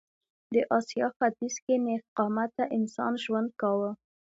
د اسیا ختیځ کې نېغ قامته انسان ژوند کاوه.